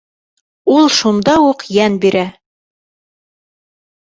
Ул шунда уҡ йән бирә.